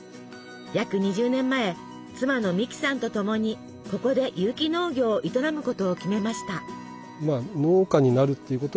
約２０年前妻の美木さんとともにここで有機農業を営むことを決めました。